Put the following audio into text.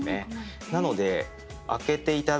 なので。